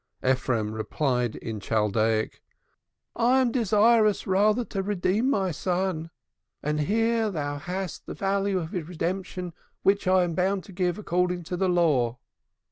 Ephraim replied in Chaldaic: "I am desirous rather to redeem my son, and here thou hast the value of his redemption, which I am bound to give according to the Law."